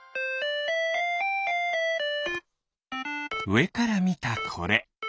うえからみたこれ。